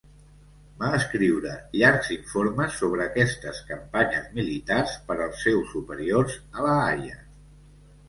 Va escriure llargs informes sobre aquestes campanyes militars per als seus superiors a l'Haia.